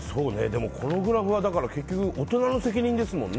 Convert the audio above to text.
このグラフは結局大人の責任ですもんね。